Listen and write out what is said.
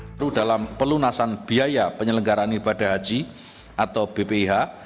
perlu dalam pelunasan biaya penyelenggaran ibadah haji atau bpih